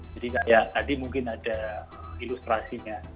jadi kayak tadi mungkin ada ilustrasinya